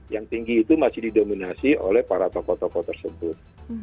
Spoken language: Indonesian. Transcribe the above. yang tinggi itu masih didominasi oleh para tokoh tokoh tersebut